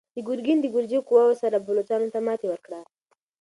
ګورګین د ګرجي قواوو سره بلوڅانو ته ماتې ورکړه.